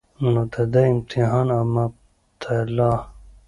نو د ده امتحان او مبتلاء